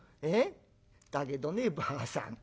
だけどねばあさん